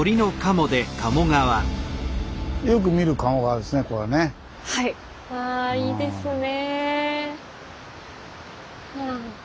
あいいですね。